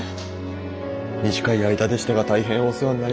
短い間でしたが大変お世話になりました。